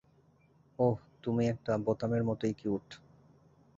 ওহ, তুমি একটা বোতামের মতোই কিউট।